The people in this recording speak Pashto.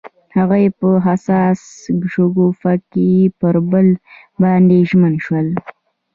هغوی په حساس شګوفه کې پر بل باندې ژمن شول.